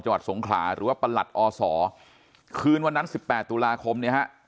จังหวัดสงขลาหรือว่าประหลัดอศคืนวันนั้นสิบแปดตุลาคมเนี่ยฮะ